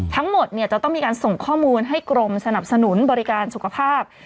ทั้งหมดจะต้องมีการส่งข้อมูลให้กรมสนับสนุนบริการสุขภาพ